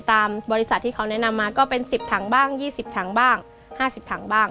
ตามบริษัทที่เขาแนะนำมาก็เป็น๑๐ถังบ้าง๒๐ถังบ้าง๕๐ถังบ้าง